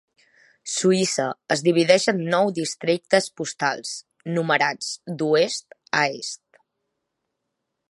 Suïssa es divideix en nou districtes postals, numerats d'oest a est.